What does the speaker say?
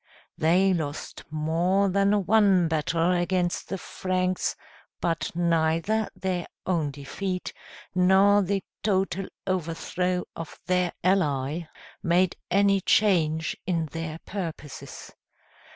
They lost more than one battle against the Franks, but neither their own defeat, nor the total overthrow of their ally, made any change in their purposes.